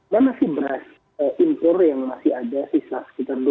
mana beras impor yang masih ada sisa sekitar dua ratus ribu